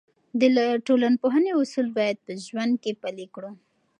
د ټولنپوهنې اصول باید په ژوند کې پلي کړو.